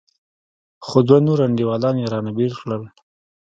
خو دوه نور انډيوالان يې رانه بېل کړل.